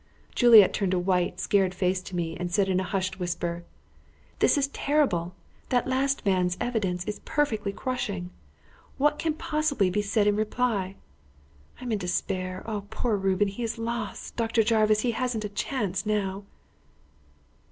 Juliet turned a white, scared face to me and said in a hushed whisper "This is terrible. That last man's evidence is perfectly crushing. What can possibly be said in reply? I am in despair; oh! poor Reuben! He is lost, Dr. Jervis! He hasn't a chance now."